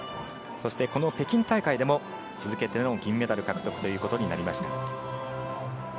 そして、この北京大会でも続けての銀メダル獲得となりました。